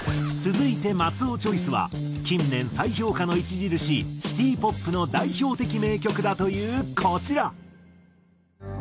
続いて松尾チョイスは近年再評価の著しいシティ・ポップの代表的名曲だというこちら。